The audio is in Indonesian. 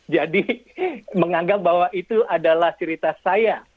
jadi menganggap bahwa itu adalah cerita saya